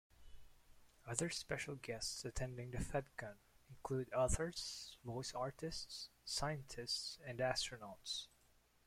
Other special guests attending the FedCon include authors, voice artists, scientists and astronauts.